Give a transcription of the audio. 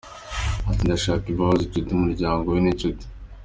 Ati "Ndasaba imbabazi Judy, umuryango we n’inshuti.